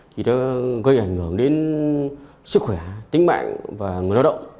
thì nó gây ảnh hưởng đến sức khỏe tính mạng và người lao động